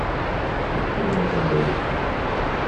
Icudd amḍelliw.